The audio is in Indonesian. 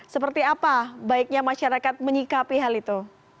seperti apa baiknya masyarakat menyikapi hal itu